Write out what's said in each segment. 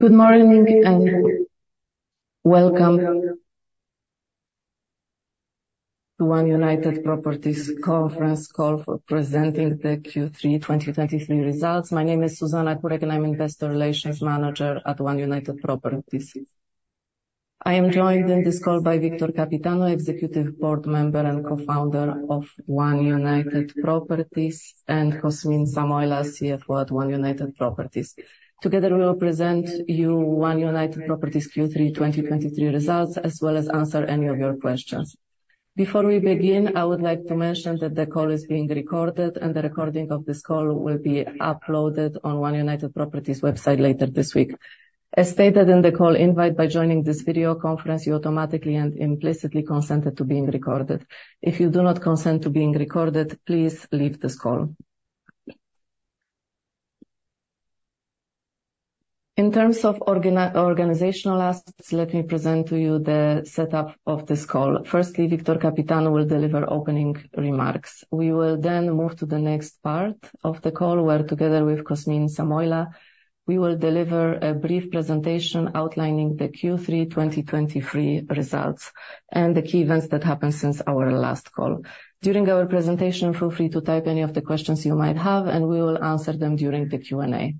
Good morning, and welcome to One United Properties conference call for presenting the Q3 2023 results. My name is Zuzanna Kurek, and I'm Investor Relations Manager at One United Properties. I am joined in this call by Victor Căpitanu, Executive Board Member and Co-founder of One United Properties, and Cosmin Samoilă, CFO at One United Properties. Together, we will present you One United Properties Q3 2023 results, as well as answer any of your questions. Before we begin, I would like to mention that the call is being recorded, and the recording of this call will be uploaded on One United Properties website later this week. As stated in the call invite, by joining this video conference, you automatically and implicitly consent it to being recorded. If you do not consent to being recorded, please leave this call. In terms of organizational aspects, let me present to you the setup of this call. Firstly, Victor Căpitanu will deliver opening remarks. We will then move to the next part of the call, where, together with Cosmin Samoilă, we will deliver a brief presentation outlining the Q3 2023 results and the key events that happened since our last call. During our presentation, feel free to type any of the questions you might have, and we will answer them during the Q&A.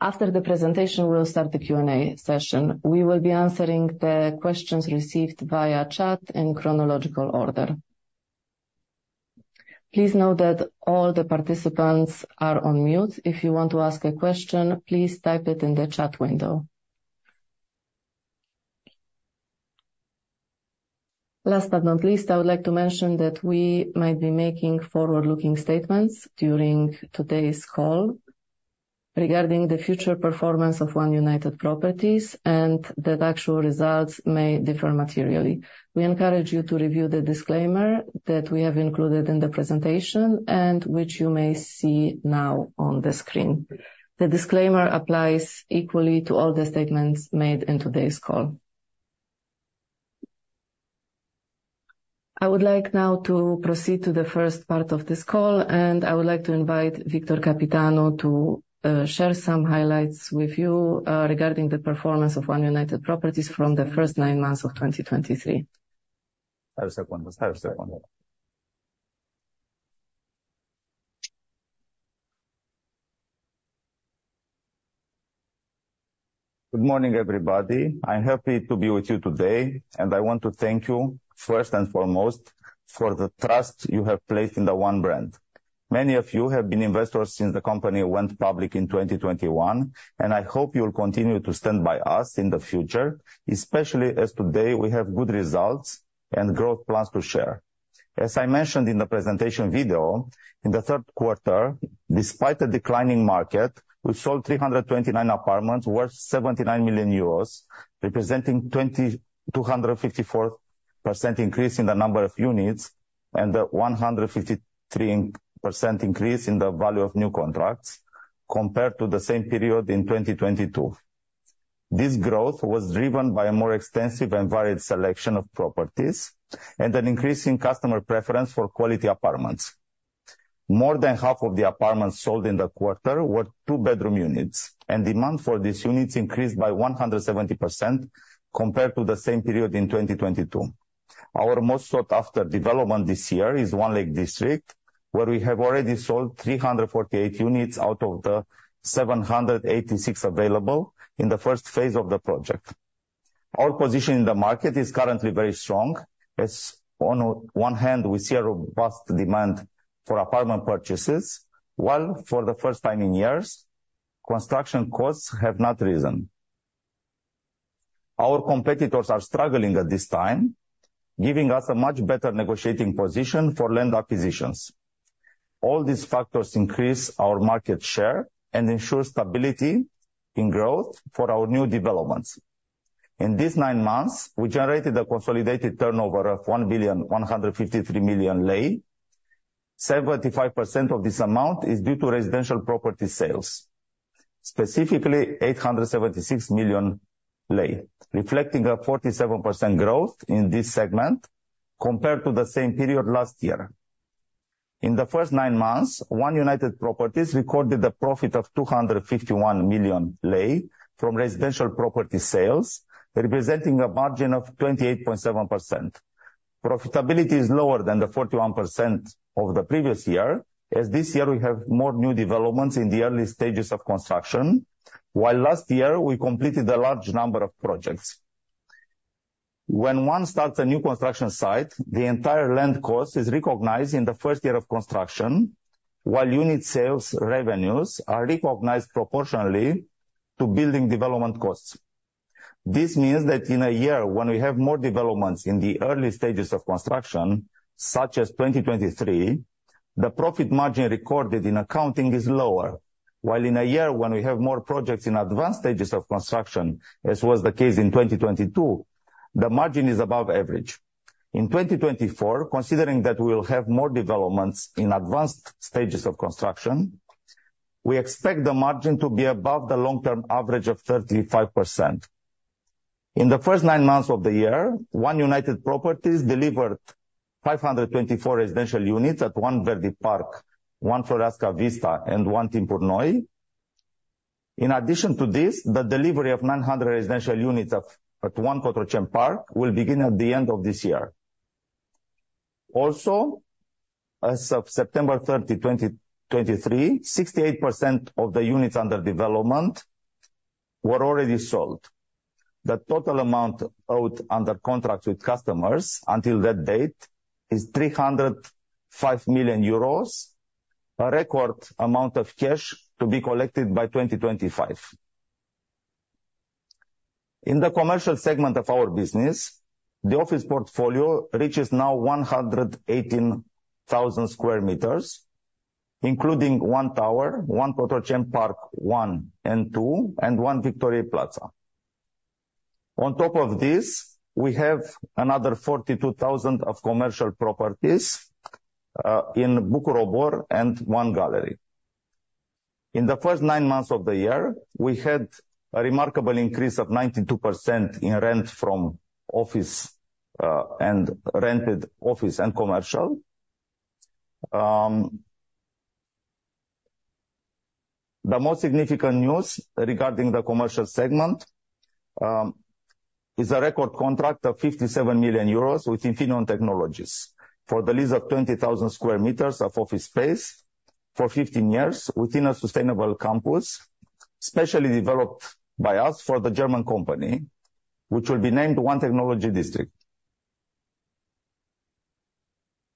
After the presentation, we'll start the Q&A session. We will be answering the questions received via chat in chronological order. Please note that all the participants are on mute. If you want to ask a question, please type it in the chat window. Last but not least, I would like to mention that we might be making forward-looking statements during today's call regarding the future performance of One United Properties and that actual results may differ materially. We encourage you to review the disclaimer that we have included in the presentation and which you may see now on the screen. The disclaimer applies equally to all the statements made in today's call. I would like now to proceed to the first part of this call, and I would like to invite Victor Căpitanu to share some highlights with you regarding the performance of One United Properties from the first nine months of 2023. Good morning, everybody. I'm happy to be with you today, and I want to thank you, first and foremost, for the trust you have placed in the One brand. Many of you have been investors since the company went public in 2021, and I hope you will continue to stand by us in the future, especially as today we have good results and growth plans to share. As I mentioned in the presentation video, in the third quarter, despite a declining market, we sold 329 apartments worth 79 million euros, representing a 2,254% increase in the number of units and a 153% increase in the value of new contracts compared to the same period in 2022. This growth was driven by a more extensive and varied selection of properties and an increase in customer preference for quality apartments. More than half of the apartments sold in the quarter were two-bedroom units, and demand for these units increased by 170% compared to the same period in 2022. Our most sought-after development this year is One Lake District, where we have already sold 348 units out of the 786 available in the first phase of the project. Our position in the market is currently very strong. As on one hand, we see a robust demand for apartment purchases, while for the first time in years, construction costs have not risen. Our competitors are struggling at this time, giving us a much better negotiating position for land acquisitions. All these factors increase our market share and ensure stability in growth for our new developments. In these nine months, we generated a consolidated turnover of RON 1,153 million. 75% of this amount is due to residential property sales, specifically RON 876 million, reflecting a 47% growth in this segment compared to the same period last year. In the first nine months, One United Properties recorded a profit of RON 251 million from residential property sales, representing a margin of 28.7%. Profitability is lower than the 41% over the previous year, as this year we have more new developments in the early stages of construction, while last year we completed a large number of projects. When one starts a new construction site, the entire land cost is recognized in the first year of construction, while unit sales revenues are recognized proportionally to building development costs. This means that in a year when we have more developments in the early stages of construction, such as 2023, the profit margin recorded in accounting is lower, while in a year when we have more projects in advanced stages of construction, as was the case in 2022, the margin is above average. In 2024, considering that we will have more developments in advanced stages of construction, we expect the margin to be above the long-term average of 35%. In the first nine months of the year, One United Properties delivered 524 residential units at One Verdi Park, One Floreasca Vista, and One Timpuri Noi. In addition to this, the delivery of 900 residential units at One Cotroceni Park will begin at the end of this year. Also, as of 30 September 2023, 68% of the units under development were already sold. The total amount out under contract with customers until that date is 305 million euros, a record amount of cash to be collected by 2025. In the commercial segment of our business, the office portfolio reaches now 118,000 sq, including One Tower, One Cotroceni Park one and two, and One Victoriei Plaza. On top of this, we have another 42,000 of commercial properties in Bucur Obor and One Gallery. In the first nine months of the year, we had a remarkable increase of 92% in rent from office and rented office and commercial. The most significant news regarding the commercial segment is a record contract of 57 million euros with Infineon Technologies, for the lease of 20,000 square meters of office space for 15 years within a sustainable campus, specially developed by us for the German company, which will be named One Technology District.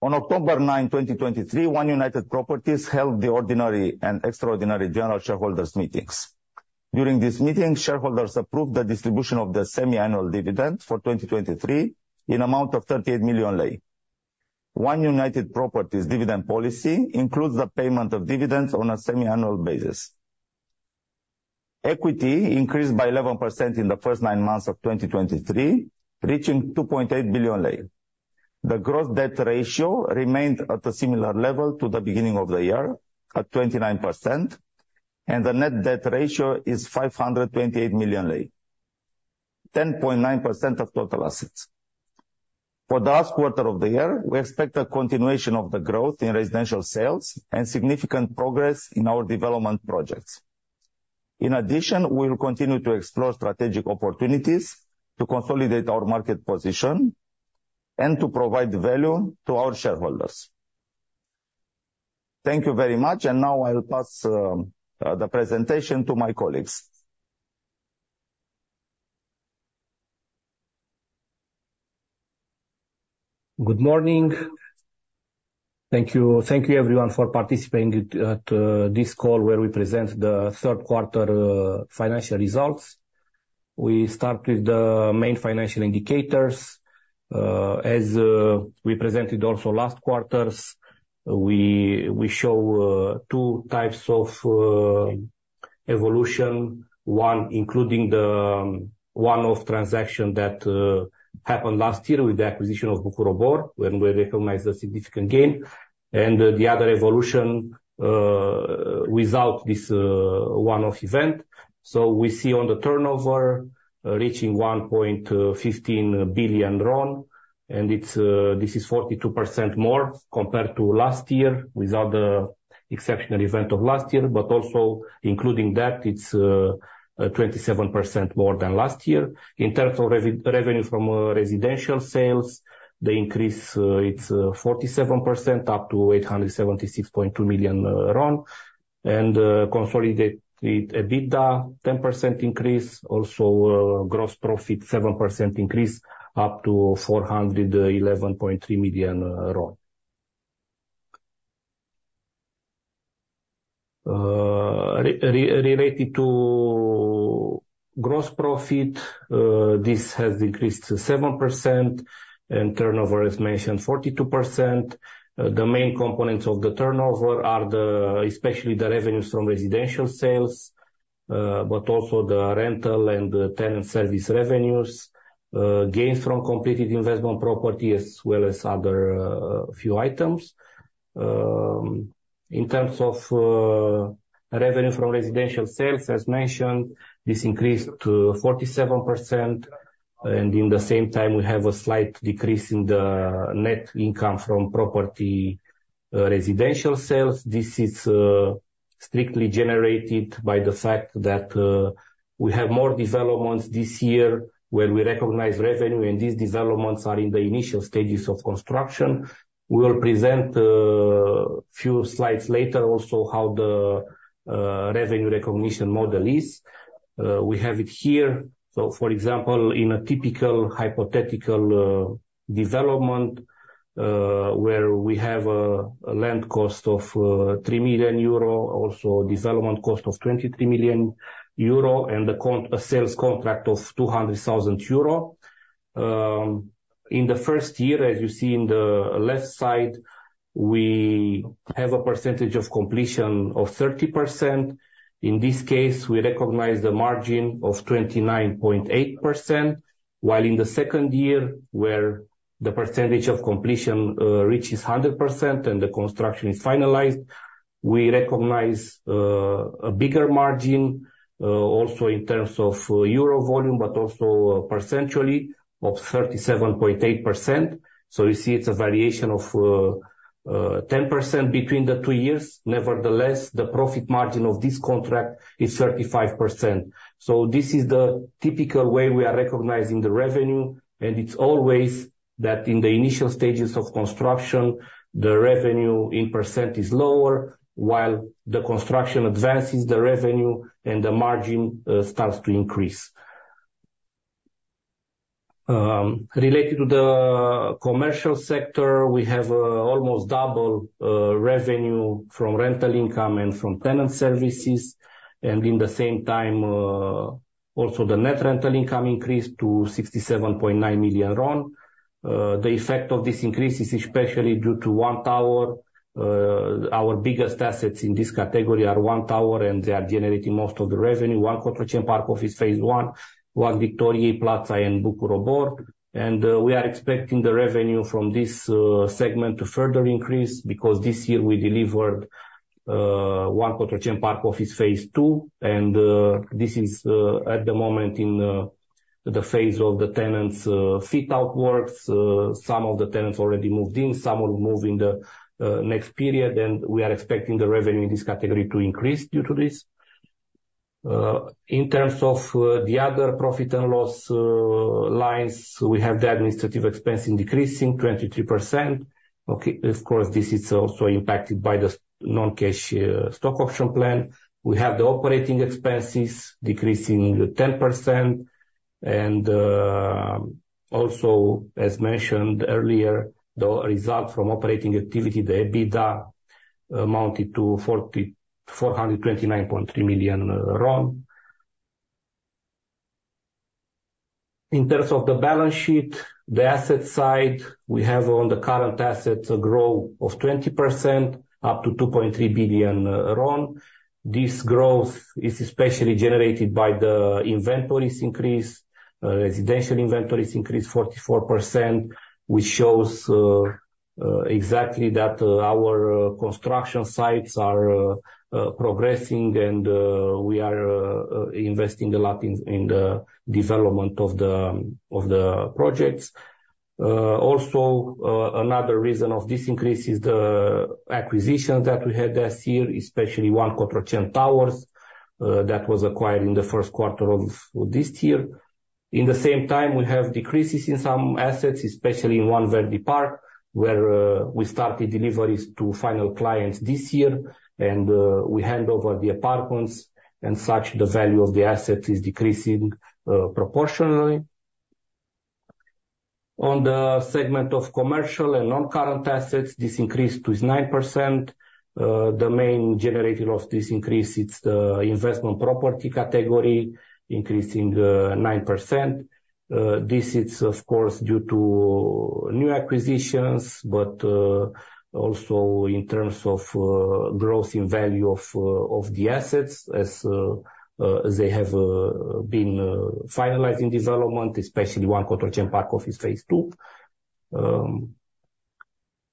On 9 October 2023, One United Properties held the ordinary and extraordinary general shareholders meetings. During this meeting, shareholders approved the distribution of the semiannual dividend for 2023 in amount of RON 38 million. One United Properties dividend policy includes the payment of dividends on a semiannual basis. Equity increased by 11% in the first nine months of 2023, reaching 2.8 billion RON. The gross debt ratio remained at a similar level to the beginning of the year, at 29%, and the net debt ratio is RON 528 million, 10.9% of total assets. For the last quarter of the year, we expect a continuation of the growth in residential sales and significant progress in our development projects. In addition, we will continue to explore strategic opportunities to consolidate our market position and to provide value to our shareholders. Thank you very much, and now I'll pass the presentation to my colleagues. Good morning. Thank you. Thank you everyone for participating at this call, where we present the third quarter financial results. We start with the main financial indicators. As we presented also last quarters, we show two types of evolution. One, including the one-off transaction that happened last year with the acquisition of Bucur Obor, when we recognized a significant gain, and the other evolution without this one-off event. So we see on the turnover, reaching RON 1.15 billion, and it's 42% more compared to last year, without the exceptional event of last year. But also including that, it's 27% more than last year. In terms of revenue from residential sales, the increase is 47%, up to RON 876.2 million. Consolidated EBITDA, 10% increase, also, gross profit, 7% increase, up to RON 411.3 million. Related to gross profit, this has increased to 7%, and turnover, as mentioned, 42%. The main components of the turnover are the especially the revenues from residential sales, but also the rental and the tenant service revenues, gains from completed investment property, as well as other few items. In terms of revenue from residential sales, as mentioned, this increased to 47%, and in the same time, we have a slight decrease in the net income from property residential sales. This is strictly generated by the fact that we have more developments this year where we recognize revenue, and these developments are in the initial stages of construction. We will present a few slides later also, how the revenue recognition model is. We have it here. So for example, in a typical hypothetical development, where we have a land cost of 3 million euro, also development cost of 23 million euro, and a sales contract of 200 thousand euro. In the first year, as you see in the left side, we have a percentage of completion of 30%. In this case, we recognize the margin of 29.8%, while in the second year, where the percentage of completion reaches 100% and the construction is finalized. We recognize a bigger margin, also in terms of euro volume, but also percentually of 37.8%. So you see it's a variation of 10% between the two years. Nevertheless, the profit margin of this contract is 35%. So this is the typical way we are recognizing the revenue, and it's always that in the initial stages of construction, the revenue in percent is lower, while the construction advances the revenue and the margin starts to increase. Related to the commercial sector, we have almost double revenue from rental income and from tenant services, and in the same time also the net rental income increased to RON 67.9 million. The effect of this increase is especially due to One Tower. Our biggest assets in this category are One Tower, and they are generating most of the revenue. One Cotroceni Park Office, phase I, One Victoriei Plaza and Bucur Obor. We are expecting the revenue from this segment to further increase because this year we delivered One Cotroceni Park Office, phase II, and this is at the moment in the phase of the tenants' fit-out works. Some of the tenants already moved in, some will move in the next period, and we are expecting the revenue in this category to increase due to this. In terms of the other profit and loss lines, we have the administrative expense decreasing 23%. Okay, of course, this is also impacted by the non-cash stock option plan. We have the operating expenses decreasing 10%. And also, as mentioned earlier, the result from operating activity, the EBITDA, amounted to RON 4,429.3 million. In terms of the balance sheet, the asset side, we have on the current assets a growth of 20% up to RON 2.3 billion. This growth is especially generated by the inventories increase. Residential inventories increased 44%, which shows exactly that, our construction sites are progressing and, we are investing a lot in the development of the projects. Also, another reason of this increase is the acquisition that we had this year, especially One Cotroceni Towers, that was acquired in the first quarter of this year. In the same time, we have decreases in some assets, especially in One Verdi Park, where, we started deliveries to final clients this year. And, we hand over the apartments, and such, the value of the asset is decreasing, proportionally. On the segment of commercial and non-current assets, this increased to 9%. The main generator of this increase, it's the investment property category, increasing 9%. This is of course due to new acquisitions, but also in terms of growth in value of the assets as they have been finalized in development, especially One Cotroceni Park Office, phase II.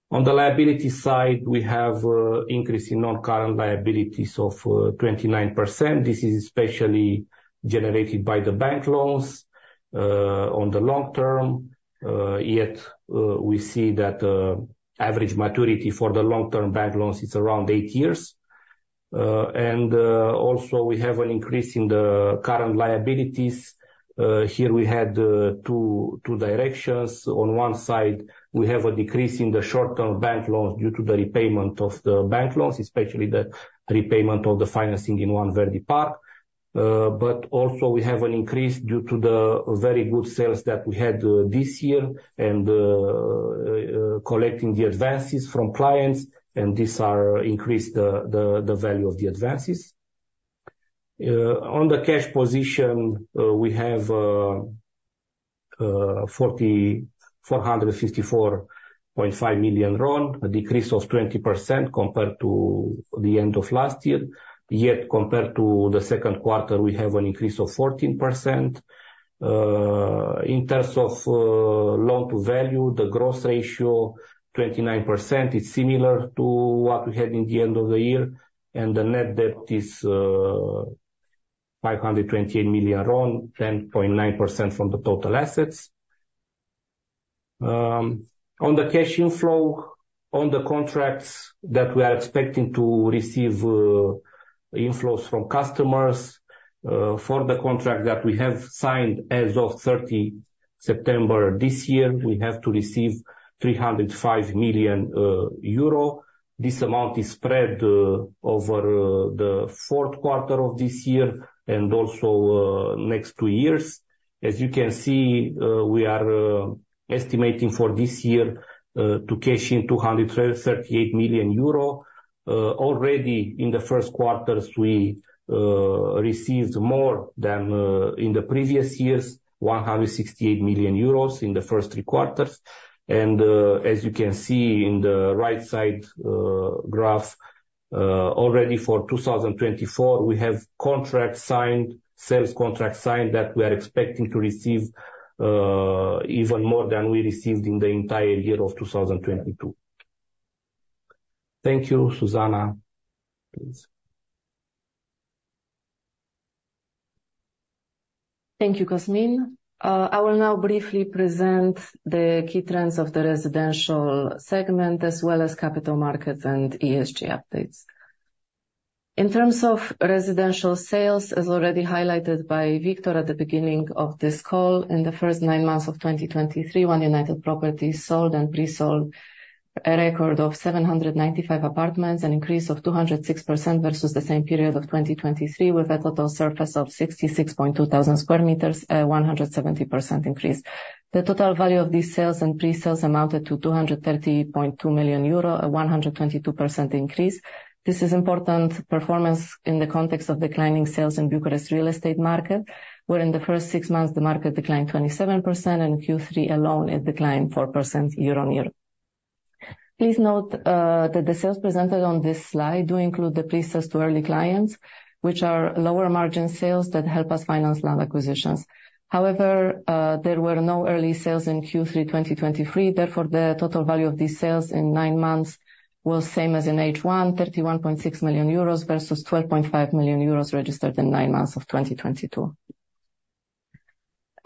On the liability side, we have increase in non-current liabilities of 29%. This is especially generated by the bank loans on the long term. Yet we see that average maturity for the long-term bank loans is around eight years. Also we have an increase in the current liabilities. Here we had two directions. On one side, we have a decrease in the short-term bank loans due to the repayment of the bank loans, especially the repayment of the financing in One Verdi Park. But also we have an increase due to the very good sales that we had this year and collecting the advances from clients, and these are increased the value of the advances. On the cash position, we have RON 4.5 million, a decrease of 20% compared to the end of last year. Yet compared to the second quarter, we have an increase of 14%. In terms of loan-to-value, the gross ratio, 29%, is similar to what we had in the end of the year, and the net debt is RON 528 million, 10.9% from the total assets. On the cash inflow, on the contracts that we are expecting to receive, inflows from customers, for the contract that we have signed as of 30 September this year, we have to receive 305 million euro. This amount is spread over the fourth quarter of this year and also next two years. As you can see, we are estimating for this year to cash in 238 million euro. Already in the first quarters, we received more than in the previous years, 168 million euros in the first three quarters. As you can see in the right side graph, already for 2024, we have contracts signed sales contracts signed that we are expecting to receive even more than we received in the entire year of 2022. Thank you. Zuzanna, please? Thank you, Cosmin. I will now briefly present the key trends of the residential segment, as well as capital markets and ESG updates. In terms of residential sales, as already highlighted by Victor at the beginning of this call, in the first nine months of 2023, One United Properties sold and pre-sold a record of 795 apartments, an increase of 206% versus the same period of 2023, with a total surface of 66,200 square meters, a 170% increase. The total value of these sales and pre-sales amounted to 230.2 million euro, a 122% increase. This is important performance in the context of declining sales in Bucharest real estate market, where in the first six months the market declined 27%, and in Q3 alone, it declined 4% year-on-year. Please note that the sales presented on this slide do include the pre-sales to early clients, which are lower margin sales that help us finance land acquisitions. However, there were no early sales in Q3 2023. Therefore, the total value of these sales in nine months was same as in H1, 31.6 million euros versus 12.5 million euros registered in nine months of 2022.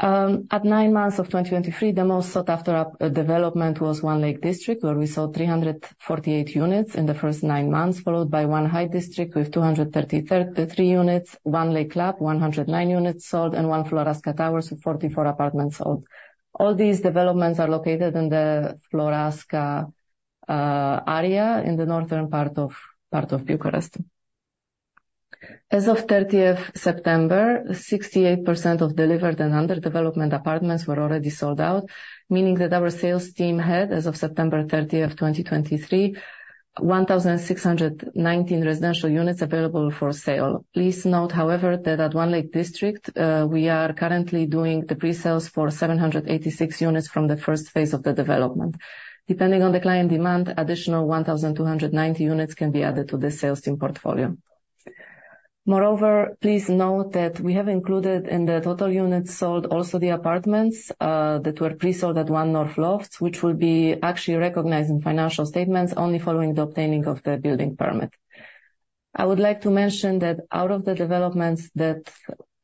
At nine months of 2023, the most sought after apartment development was One Lake District, where we sold 348 units in the 9 September, followed by One High District, with 233 units, One Lake Club, 109 units sold, and One Floreasca Towers, with 44 apartments sold. All these developments are located in the Floreasca area in the northern part of Bucharest. As of 30 September, 68% of delivered and under development apartments were already sold out, meaning that our sales team had, as of September 30th, 2023, 1,619 residential units available for sale. Please note, however, that at One Lake District, we are currently doing the pre-sales for 786 units from the first phase of the development. Depending on the client demand, additional 1,290 units can be added to the sales team portfolio. Moreover, please note that we have included in the total units sold, also the apartments that were pre-sold at One North Lofts, which will be actually recognized in financial statements only following the obtaining of the building permit. I would like to mention that out of the developments that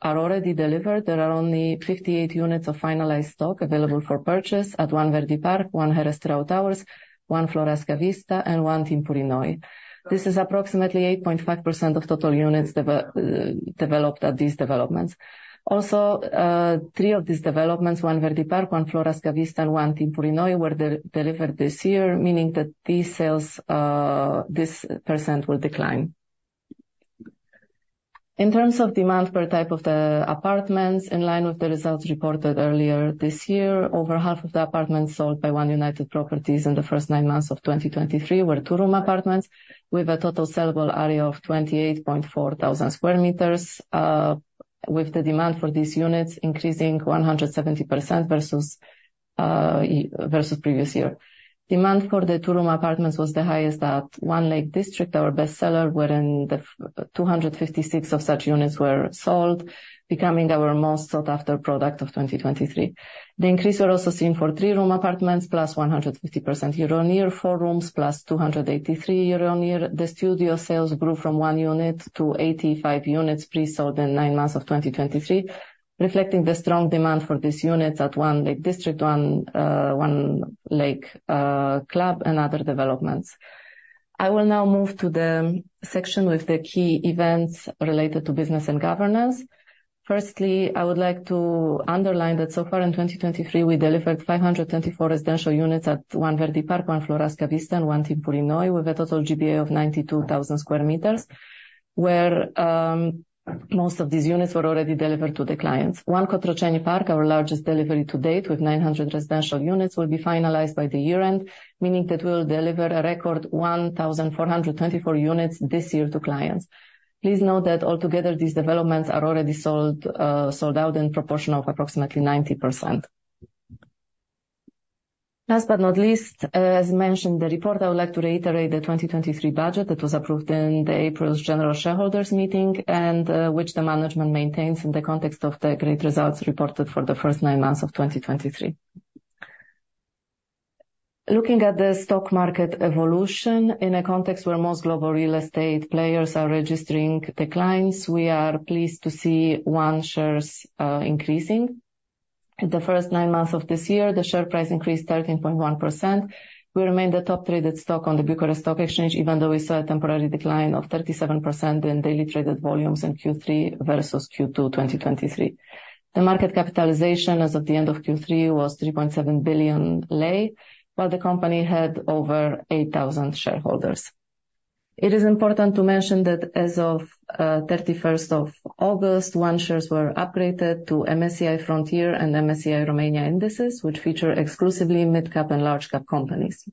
are already delivered, there are only 58 units of finalized stock available for purchase at One Verdi Park, One Herăstrău Towers, One Floreasca Vista, and One Timpuri Noi. This is approximately 8.5% of total units developed at these developments. Also, three of these developments, One Verdi Park, One Floreasca Vista, and One Timpuri Noi, were delivered this year, meaning that these sales, this percent will decline. In terms of demand per type of the apartments, in line with the results reported earlier this year, over half of the apartments sold by One United Properties in the first nine months of 2023 were two-room apartments, with a total sellable area of 28,400 square meters, with the demand for these units increasing 170% versus previous year. Demand for the two-room apartments was the highest at One Lake District, our bestseller, wherein 256 of such units were sold, becoming our most sought-after product of 2023. The increase were also seen for three-room apartments, plus 150% year-on-year. Four rooms, plus 283% year-on-year. The studio sales grew from one unit to 85 units pre-sold in nine months of 2023, reflecting the strong demand for these units at One Lake District, One Lake Club, and other developments. I will now move to the section with the key events related to business and governance. Firstly, I would like to underline that so far in 2023, we delivered 524 residential units at One Verdi Park, One Floreasca Vista, and One Timpuri Noi, with a total GBA of 92,000 square meters, where most of these units were already delivered to the clients. One Cotroceni Park, our largest delivery to date, with 900 residential units, will be finalized by the year-end, meaning that we'll deliver a record 1,424 units this year to clients. Please note that altogether, these developments are already sold, sold out in proportion of approximately 90%. Last but not least, as mentioned in the report, I would like to reiterate the 2023 budget that was approved in the April's general shareholders meeting, and, which the management maintains in the context of the great results reported for the first nine months of 2023. Looking at the stock market evolution, in a context where most global real estate players are registering declines, we are pleased to see One shares, increasing. In the first nine months of this year, the share price increased 13.1%. We remain the top traded stock on the Bucharest Stock Exchange, even though we saw a temporary decline of 37% in daily traded volumes in Q3 versus Q2 2023. The market capitalization as of the end of Q3 was RON 3.7 billion, while the company had over 8,000 shareholders. It is important to mention that as of 31 August. One shares were upgraded to MSCI Frontier and MSCI Romania indices, which feature exclusively mid-cap and large cap companies.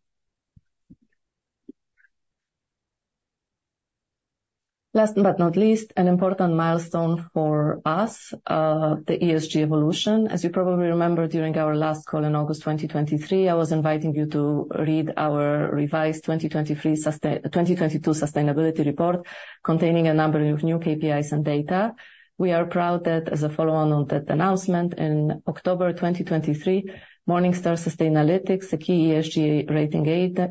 Last but not least, an important milestone for us, the ESG evolution. As you probably remember, during our last call in August 2023, I was inviting you to read our revised 2023 sustain 2022 sustainability report, containing a number of new KPIs and data. We are proud that as a follow-on on that announcement, in October 2023, Morningstar Sustainalytics, a key ESG rating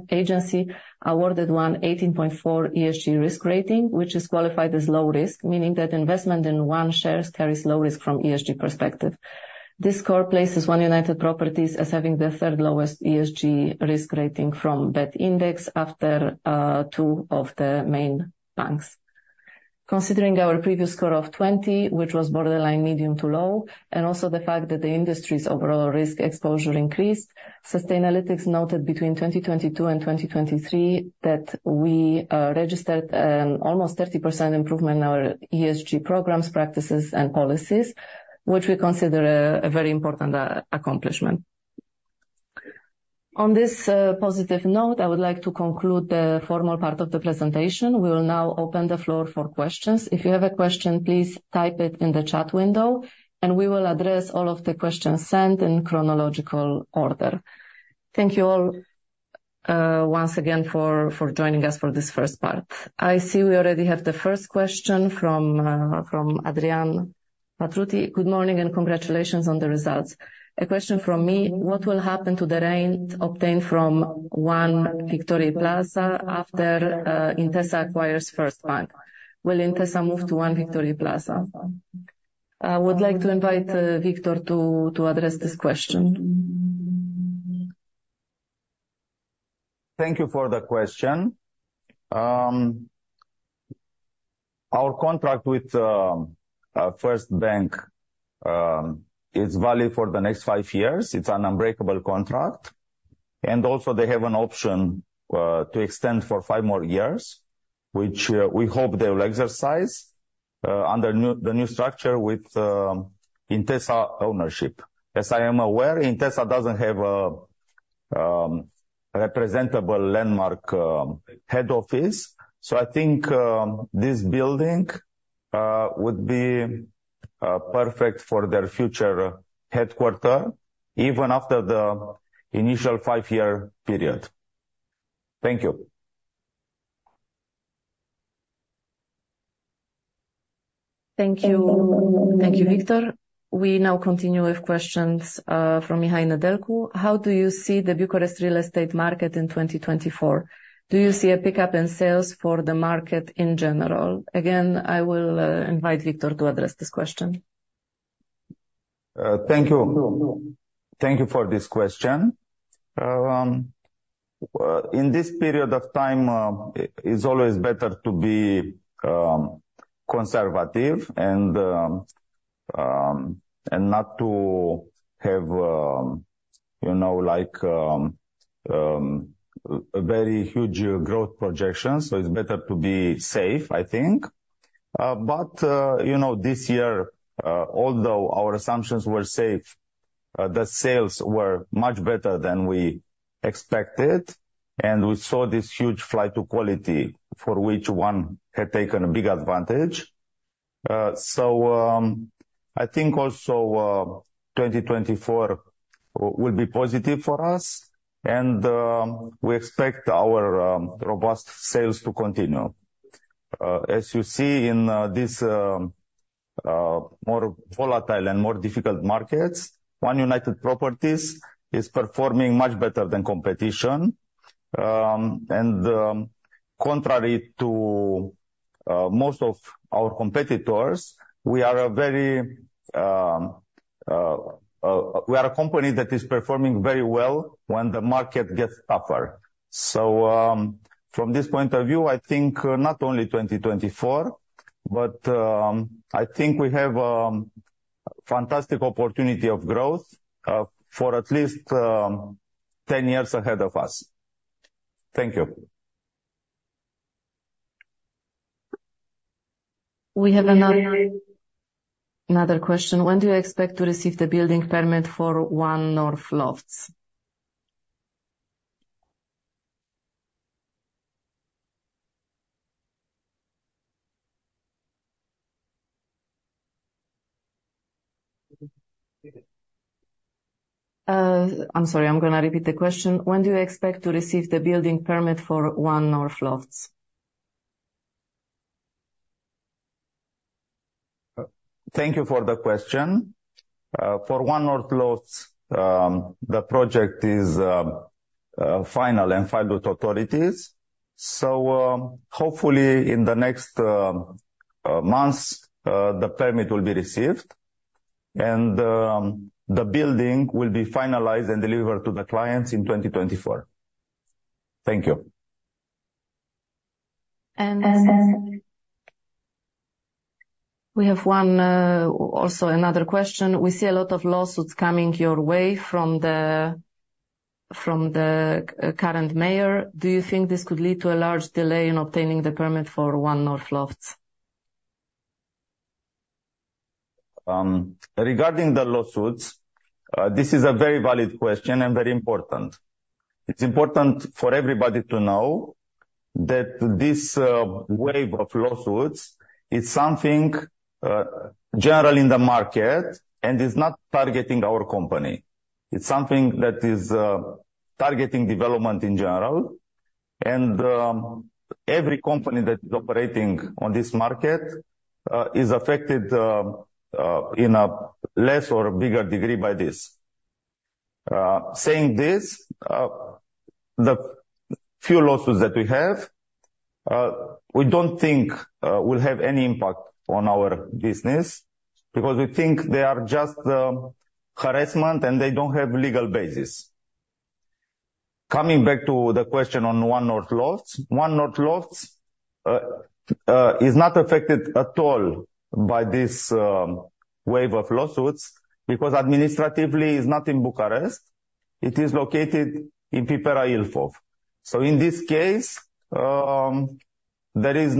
agency, awarded One 18.4 ESG risk rating, which is qualified as low risk, meaning that investment in One shares carries low risk from ESG perspective. This score places One United Properties as having the third lowest ESG risk rating from that index after two of the main banks. Considering our previous score of 20, which was borderline medium to low, and also the fact that the industry's overall risk exposure increased, Sustainalytics noted between 2022 and 2023, that we registered almost 30% improvement in our ESG programs, practices, and policies, which we consider a very important accomplishment. On this positive note, I would like to conclude the formal part of the presentation. We will now open the floor for questions. If you have a question, please type it in the chat window, and we will address all of the questions sent in chronological order. Thank you all once again for joining us for this first part. I see we already have the first question from Adrian Patruti. Good morning, and congratulations on the results. A question from me, what will happen to the rent obtained from One Victoriei Plaza after Intesa acquires First Bank? Will Intesa move to One Victoriei Plaza? I would like to invite Victor to address this question. Thank you for the question. Our contract with First Bank is valid for the next five years. It's an unbreakable contract, and also they have an option to extend for five more years, which we hope they will exercise under the new structure with Intesa ownership. As I am aware, Intesa doesn't have a representative landmark head office. So I think this building would be perfect for their future headquarters, even after the initial five-year period. Thank you. Thank you. Thank you, Victor. We now continue with questions from Mihai Nedelcu. How do you see the Bucharest real estate market in 2024? Do you see a pickup in sales for the market in general? Again, I will invite Victor to address this question. Thank you. Thank you for this question. In this period of time, it's always better to be conservative and not to have, you know, like, a very huge growth projection, so it's better to be safe, I think. But, you know, this year, although our assumptions were safe, the sales were much better than we expected, and we saw this huge flight to quality for which One had taken a big advantage. So, I think also, 2024 will be positive for us, and we expect our robust sales to continue. As you see in this more volatile and more difficult markets, One United Properties is performing much better than competition. And, contrary to most of our competitors, we are a company that is performing very well when the market gets tougher. So, from this point of view, I think not only 2024, but I think we have a fantastic opportunity of growth for at least 10 years ahead of us. Thank you. We have another question. When do you expect to receive the building permit for One North Lofts? I'm sorry, I'm going to repeat the question: When do you expect to receive the building permit for One North Lofts? Thank you for the question. For One North Lofts, the project is final and filed with authorities, so hopefully in the next months, the permit will be received, and the building will be finalized and delivered to the clients in 2024. Thank you. We have one, also another question. We see a lot of lawsuits coming your way from the current mayor. Do you think this could lead to a large delay in obtaining the permit for One North Lofts? Regarding the lawsuits, this is a very valid question and very important. It's important for everybody to know that this wave of lawsuits is something general in the market and is not targeting our company. It's something that is targeting development in general, and every company that is operating on this market is affected in a less or a bigger degree by this. Saying this, the few lawsuits that we have, we don't think will have any impact on our business because we think they are just harassment and they don't have legal basis. Coming back to the question on One North Lofts. One North Lofts is not affected at all by this wave of lawsuits because administratively it's not in Bucharest, it is located in Pipera, Ilfov. In this case, there is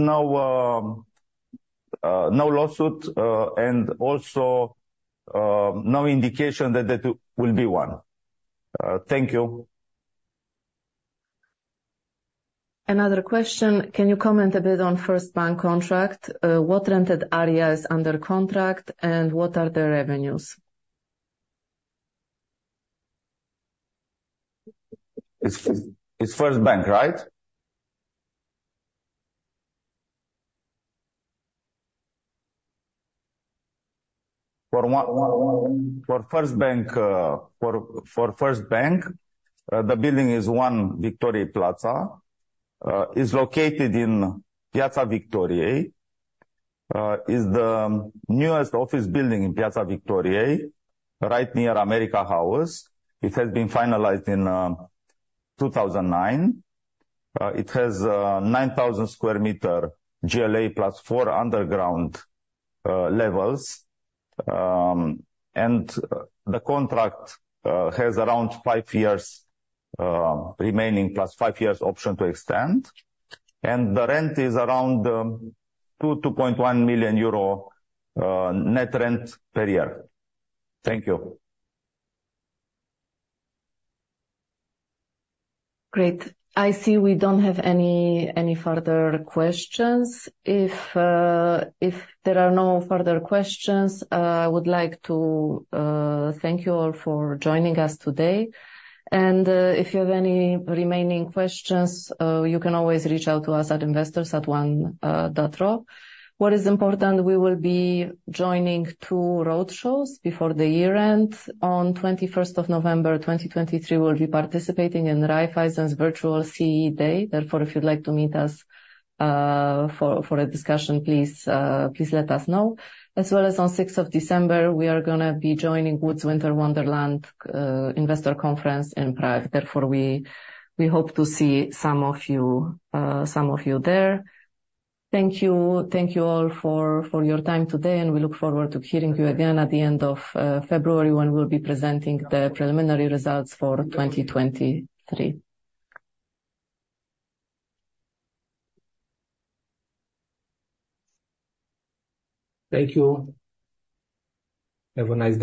no lawsuit, and also no indication that there will be one. Thank you. Another question: Can you comment a bit on First Bank contract? What rented area is under contract, and what are the revenues? It's First Bank, right? For One, for First Bank, the building is One Victoriei Plaza, is located in Piața Victoriei. Is the newest office building in Piața Victoriei, right near America House. It has been finalized in 2009. It has 9,000 sq m GLA, plus four underground levels. And the contract has around five years remaining, plus five years option to extend. And the rent is around 2.1 million euro net rent per year. Thank you. Great. I see we don't have any further questions. If there are no further questions, I would like to thank you all for joining us today. And if you have any remaining questions, you can always reach out to us at investors@one.ro. What is important, we will be joining two roadshows before the year ends. On 21 November 2023, we'll be participating in Raiffeisen's Virtual CE Day. Therefore, if you'd like to meet us for a discussion, please let us know. As well as on 6th of December, we are gonna be joining Wood's Winter Wonderland Investor Conference in Prague. Therefore, we hope to see some of you there. Thank you. Thank you all for your time today, and we look forward to hearing you again at the end of February, when we'll be presenting the preliminary results for 2023. Thank you. Have a nice day!